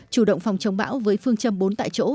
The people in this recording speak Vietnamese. chủ động phòng chống bão với phương châm bốn tại chỗ